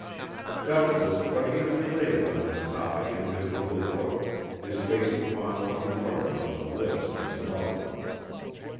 Doubtless what he has related on this topic in his little book is based upon what he learned from the lips of his mother.